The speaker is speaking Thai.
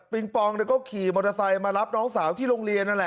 ปองก็ขี่มอเตอร์ไซค์มารับน้องสาวที่โรงเรียนนั่นแหละ